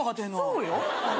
そうよ。